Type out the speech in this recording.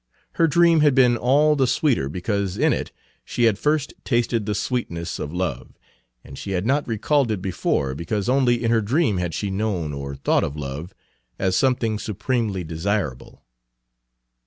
Her dream had been all the sweeter because in it she had first tasted the sweetness of love, and she had not recalled it before because only in her dream had she known or thought of love as something supremely desirable.